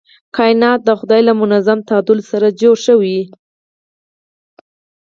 کائنات د خدای له منظم تعادل سره جوړ شوي.